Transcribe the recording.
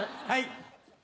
はい。